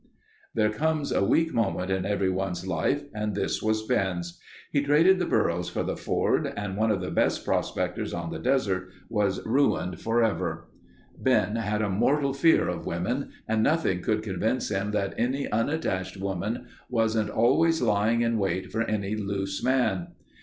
There comes a weak moment in everyone's life and this was Ben's. He traded the burros for the Ford and one of the best prospectors on the desert was ruined forever. Ben had a mortal fear of women and nothing could convince him that any unattached woman wasn't always lying in wait for any loose man.